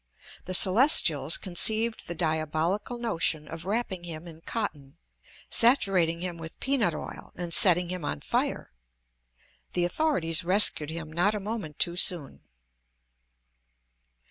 The Celestials conceived the diabolical notion of wrapping him in cotton, saturating him with peanut oil, and setting him on fire. The authorities rescued him not a moment too soon.